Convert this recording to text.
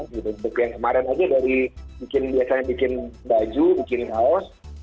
seperti yang kemarin saja dari biasanya bikin baju bikin haos